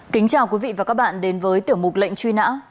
kính chào quý vị và các bạn đến với tiểu mục lệnh truy nã